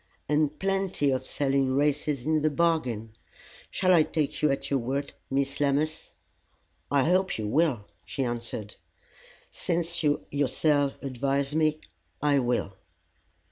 '" "And plenty of selling races into the bargain. Shall I take you at your word, Miss Lammas?" "I hope you will," she answered. "Since you yourself advise me, I will.